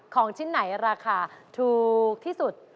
ของชิ้นไหนราคาถูกที่สุด